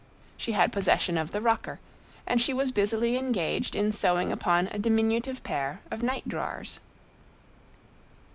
She had possession of the rocker, and she was busily engaged in sewing upon a diminutive pair of night drawers.